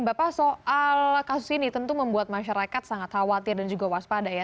bapak soal kasus ini tentu membuat masyarakat sangat khawatir dan juga waspada ya